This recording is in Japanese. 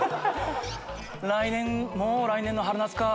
来年もう来年の春夏か。